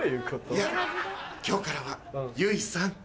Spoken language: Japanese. いや今日からは結衣さん。